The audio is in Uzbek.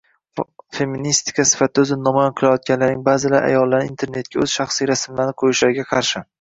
Feministka sifatida oʻzini namoyon qilayotganlarning baʼzilari ayollarni internetga oʻz shaxsiy rasmlarini qoʻyishlariga qarshi.